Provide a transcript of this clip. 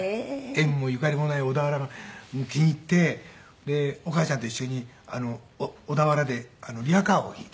縁もゆかりもない小田原が気に入ってでお母ちゃんと一緒に小田原でリヤカーを引いて。